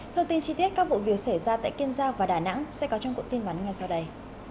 thông tin chi tiết các vụ việc xảy ra tại kiên giao và đà nẵng sẽ có trong cuộn tin bản ngay sau đây